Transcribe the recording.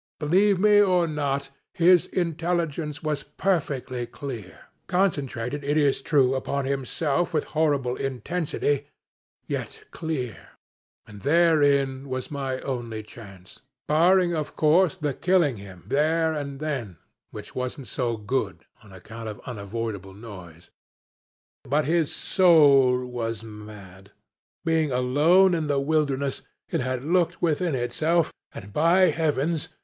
Believe me or not, his intelligence was perfectly clear concentrated, it is true, upon himself with horrible intensity, yet clear; and therein was my only chance barring, of course, the killing him there and then, which wasn't so good, on account of unavoidable noise. But his soul was mad. Being alone in the wilderness, it had looked within itself, and, by heavens!